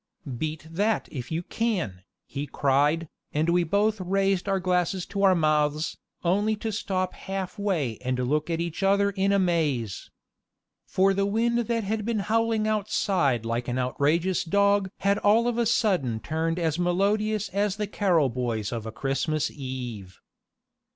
"Beat that if you can," he cried, and we both raised our glasses to our mouths, only to stop halfway and look at each other in amaze. For the wind that had been howling outside like an outrageous dog had all of a sudden turned as melodious as the carol boys of a Christmas eve.